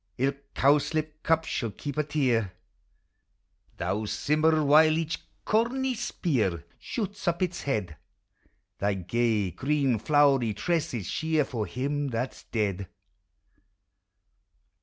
Ilk cowslip cup shall keep a tear: Thou, Simmer, while each corny spear Shoots up its head, Thy gay, green flowery tresses shear, For him that 's dead